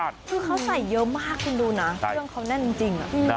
คือเขาใส่เยอะมากคุณดูนะเครื่องเขาแน่นจริง